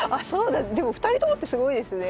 でも２人ともってすごいですね。